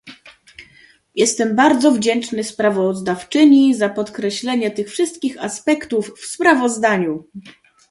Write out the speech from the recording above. Jestem bardzo wdzięczny sprawozdawczyni za podkreślenie tych wszystkich aspektów w sprawozdaniu